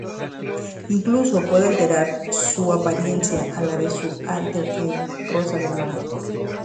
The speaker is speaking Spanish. Incluso puede alterar su apariencia a la de su alter ego, "Rosa del Mar".